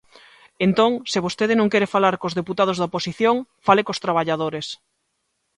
Entón, se vostede non quere falar cos deputados da oposición, fale cos traballadores.